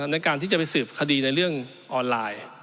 ในการที่จะไปสืบคดีในเรื่องออนไลน์